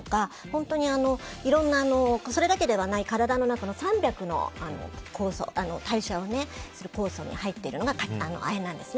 本当に、いろんなそれだけではない、体の中の３００の代謝をする酵素に入っているのが亜鉛なんです。